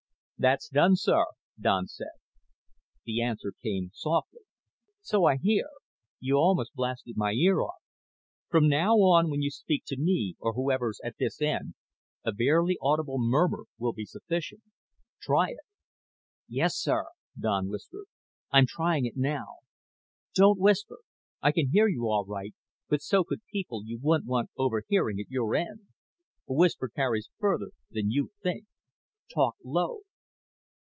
"That's done, sir," Don said. The answer came softly. "So I hear. You almost blasted my ear off. From now on, when you speak to me, or whoever's at this end, a barely audible murmur will be sufficient. Try it." "Yes, Captain," Don whispered. "I'm trying it now." "Don't whisper. I can hear you all right, but so could people you wouldn't want overhearing at your end. A whisper carries farther than you think. Talk low."